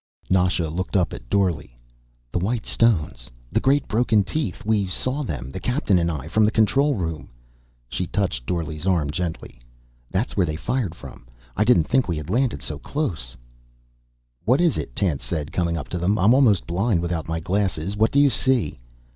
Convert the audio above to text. Nasha looked up at Dorle. "The white stones, the great broken teeth. We saw them, the Captain and I, from the control room." She touched Dorle's arm gently. "That's where they fired from. I didn't think we had landed so close." "What is it?" Tance said, coming up to them. "I'm almost blind without my glasses. What do you see?"